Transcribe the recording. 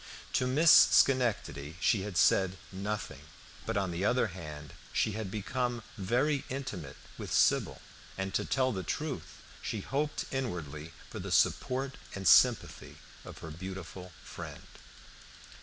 To Miss Schenectady she had said nothing, but on the other hand she had become very intimate with Sybil, and to tell the truth, she hoped inwardly for the support and sympathy of her beautiful friend.